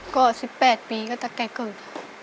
ก็๑๘ปีก็ตั้งแต่เกิด